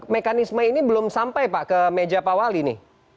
mekanisme ini belum sampai pak ke meja pahwali nih